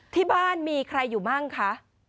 ที่บ้านมีใครอยู่มั่งคะ